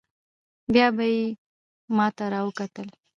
بيا به يې ما ته راوکتل.